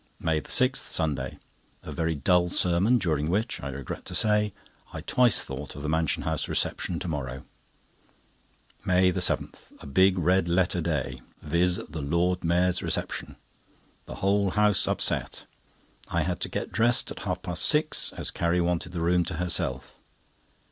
MAY 6, Sunday.—A very dull sermon, during which, I regret to say, I twice thought of the Mansion House reception to morrow. MAY 7.—A big red letter day; viz., the Lord Mayor's reception. The whole house upset. I had to get dressed at half past six, as Carrie wanted the room to herself.